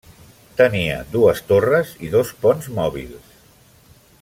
Tenia dues torres i dos ponts mòbils.